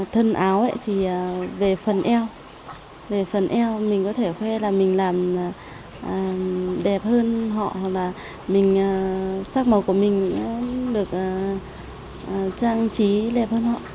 thân áo thì về phần eo về phần eo mình có thể khuê là mình làm đẹp hơn họ là mình sắc màu của mình nó được trang trí đẹp hơn họ